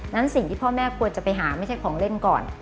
สิ่งที่พ่อแม่ควรจะไปหาไม่ใช่ของเล่นก่อน